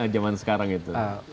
zaman sekarang itu